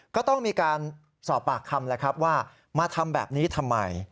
ก็ต้องมีการสอบปากคำแล้วครับว่ามาทำแบบนี้ทำไม